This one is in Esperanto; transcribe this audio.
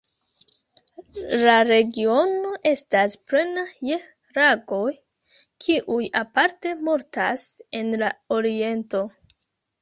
La regiono estas plena je lagoj, kiuj aparte multas en la oriento.